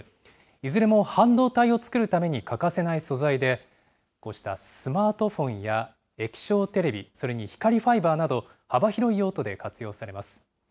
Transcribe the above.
いずれも半導体を作るために欠かせない素材で、こうしたスマートフォンや液晶テレビ、それに光ファイバーなど、幅広い用途で活用されます。